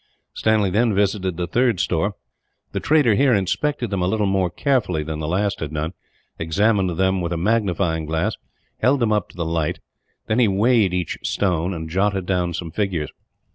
Stanley then visited the third store. The trader here inspected them a little more carefully than the last had done, examined them with a magnifying glass, held them up to the light; then he weighed each stone and jotted down some figures.